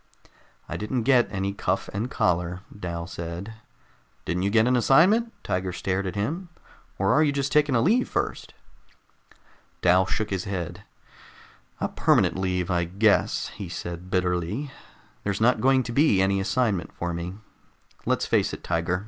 "I didn't get any cuff and collar," Dal said. "Didn't you get an assignment?" Tiger stared at him. "Or are you just taking a leave first?" Dal shook his head. "A permanent leave, I guess," he said bitterly. "There's not going to be any assignment for me. Let's face it, Tiger.